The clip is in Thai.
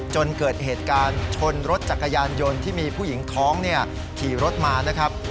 จนเกิดเหตุการณ์ชนรถจักรยานยนต์ที่มีผู้หญิงท้องเนี่ยขี่รถมานะครับ